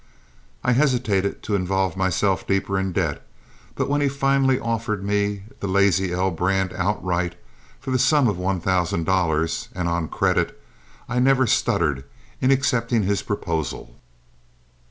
I hesitated to involve myself deeper in debt, but when he finally offered me the "Lazy L" brand outright for the sum of one thousand dollars, and on a credit, I never stuttered in accepting his proposal.